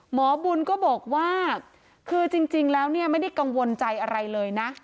หมอบุญก็บอกว่าคือจริงแล้วเนี่ยไม่ได้กังวลใจอะไรเลยนะ